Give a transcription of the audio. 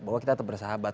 bahwa kita tetap bersahabat